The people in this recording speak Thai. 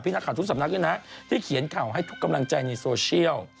นักข่าวทุกสำนักด้วยนะที่เขียนข่าวให้ทุกกำลังใจในโซเชียล